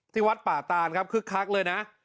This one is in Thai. ที่วัดป่าตารก็คลึกคลักเลยนะ